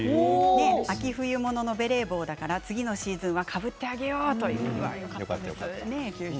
秋冬用のベレー帽だから次のシーズンはかぶってあげようと思います。